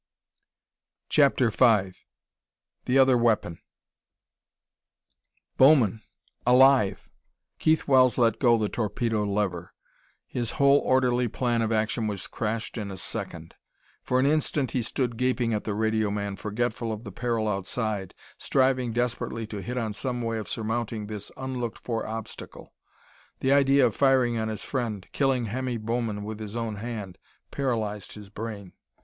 CHAPTER V The Other Weapon Bowman alive! Keith Wells let go the torpedo lever. His whole orderly plan of action was crashed in a second. For an instant he stood gaping at the radio man, forgetful of the peril outside, striving desperately to hit on some way of surmounting this unlooked for obstacle. The idea of firing on his friend killing Hemmy Bowman with his own hand paralyzed his brain.